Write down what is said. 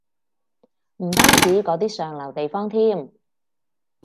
唔單止嗰啲上流地方添